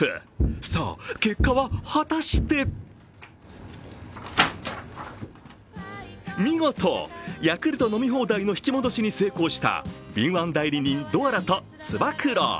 さあ、結果は果たして見事、ヤクルト飲み放題の引き戻しに成功した敏腕代理人・ドアラとつば九郎。